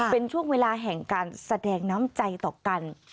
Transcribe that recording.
เป็นช่วงเวลาแห่งการแสดงน้ำใจต่อกัน